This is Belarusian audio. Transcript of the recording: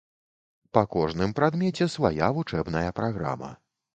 Па кожным прадмеце свая вучэбная праграма.